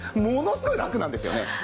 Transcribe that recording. ものすごいラクなんですよね。